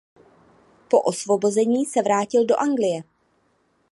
Po osvobození se vrátil do Anglie.